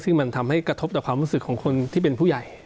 ซึ่งมันทำให้กระทบต่อความรู้สึกของคนที่เป็นผู้ใหญ่